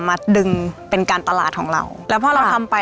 มาดึงเป็นการตลาดของเราแล้วพอเราทำไป